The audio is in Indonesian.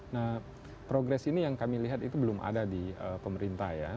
nah progres ini yang kami lihat itu belum ada di pemerintah ya